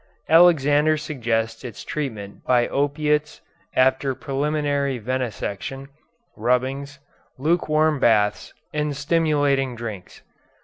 Alexander suggests its treatment by opiates after preliminary venesection, rubbings, lukewarm baths, and stimulating drinks.